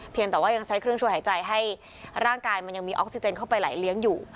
แต่ว่ายังใช้เครื่องช่วยหายใจให้ร่างกายมันยังมีออกซิเจนเข้าไปไหลเลี้ยงอยู่